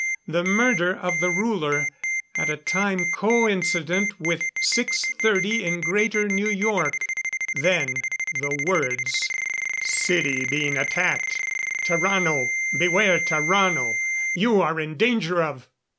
The murder of the ruler, at a time co incident with 6:30 in Greater New York. Then the words: _"City being attacked ... Tarrano, beware Tarrano ... You are in danger of